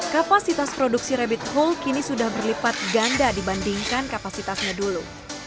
kapasitas produksi rabbit whole kini sudah berlipat ganda dibandingkan kapasitasnya dulu